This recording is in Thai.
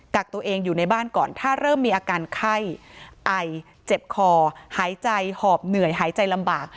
กักตัวเองอยู่ในบ้านก่อนถ้าเริ่มมีอาการไข้ไอเจ็บคอหายใจหอบเหนื่อยหายใจลำบาก